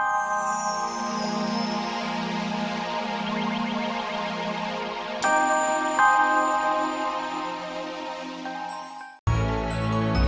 aku tak tahu